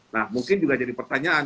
nah mungkin juga jadi pertanyaan